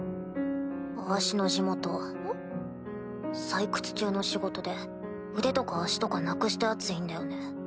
採掘中の仕事で腕とか足とかなくしたヤツいんだよね。